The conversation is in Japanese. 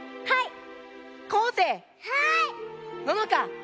はい。